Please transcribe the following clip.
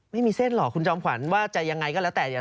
ไม่มีเส้นหรอกคุณจอมขวัญว่าจะยังไงก็แล้วแต่เนี่ย